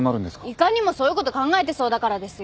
いかにもそういうこと考えてそうだからですよ。